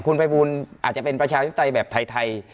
คุณภัยบูลอาจจะเป็นประชาธิปไตยแบบไทย